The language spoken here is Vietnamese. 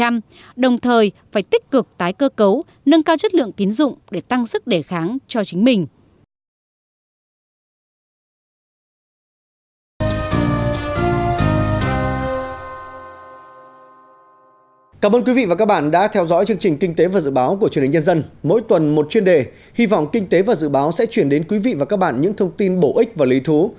mỗi tuần một chuyên đề hy vọng kinh tế và dự báo sẽ truyền đến quý vị và các bạn những thông tin bổ ích và lý thú